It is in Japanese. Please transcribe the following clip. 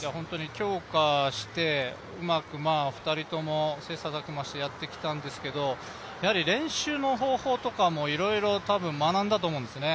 強化して、うまく２人とも、切磋琢磨してやってきたんですけど、やはり練習の方法とかもいろいろ学んだと思うんですね。